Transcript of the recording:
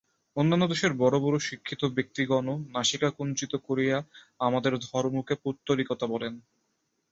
অন্যান্য দেশের বড় বড় শিক্ষিত ব্যক্তিগণও নাসিকা কুঞ্চিত করিয়া আমাদের ধর্মকে পৌত্তলিকতা বলেন।